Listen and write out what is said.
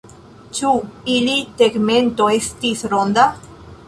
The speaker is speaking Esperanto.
Ĉu ilia tegmento estis ronda?